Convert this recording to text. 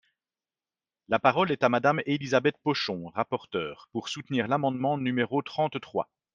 La parole est à Madame Elisabeth Pochon, rapporteure, pour soutenir l’amendement numéro trente-trois.